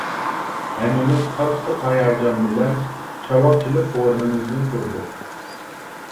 ھەممىمىز قاتتىق ھاياجان بىلەن چاۋاك چېلىپ ئورنىمىزدىن تۇردۇق.